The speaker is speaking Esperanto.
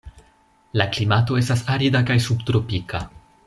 La klimato estas arida kaj subtropika.